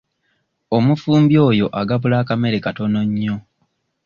Omufumbi oyo agabula akamere katono nnyo.